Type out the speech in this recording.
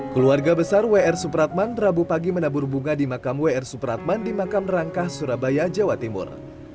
keluarga besar wr supratman rabu pagi menabur bunga di makam wr supratman di makam rangkah surabaya jawa timur